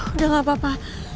udah gak apa apa